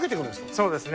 そうですね。